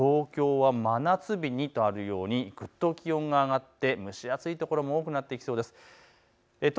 東京は真夏日にとあるように、ぐっと気温が上がって蒸し暑いところも多くなりそうです。